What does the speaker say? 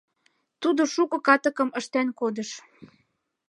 Тудо шуко катыкым ыштен кодыш.